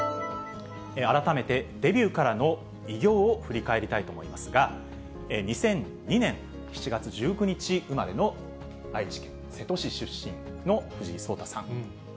改めてデビューからの偉業を振り返りたいと思いますが、２００２年７月１９日生まれの愛知県瀬戸市出身の藤井聡太さん。